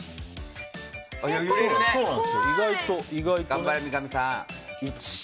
頑張れ、三上さん！